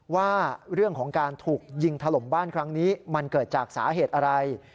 ว่าเรื่องของการถูกยิงถล่มบ้านครั้งนี้มันเกิดจากสาเหตุอะไร